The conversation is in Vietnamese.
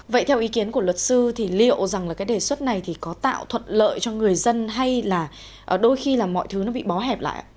vậy theo ý kiến của luật sư thì liệu rằng là cái đề xuất này thì có tạo thuận lợi cho người dân hay là đôi khi là mọi thứ nó bị bó hẹp lại ạ